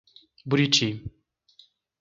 Buriti